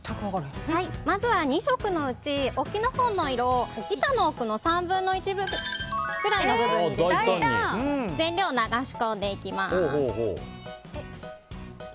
まずは２色のうち沖のほうの色を板の奥の３分の１くらいの部分に全量を流し込んでいきます。